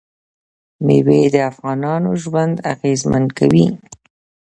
مېوې د افغانانو ژوند اغېزمن کوي.